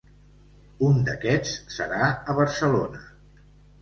Un d’aquests serà a Barcelona.